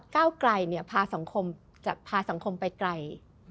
ก้าวไกลพาสังคมไปไกล